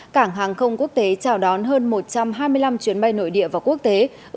cảng hàng không quốc tế chào đón hơn một trăm hai mươi năm chuyến bay nội địa và quốc tế